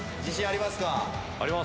あります。